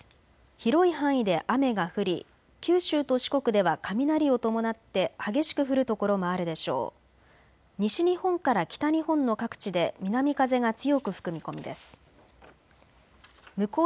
広い範囲で雨が降り九州と四国では雷を伴って激しく降る所もあるでしょう。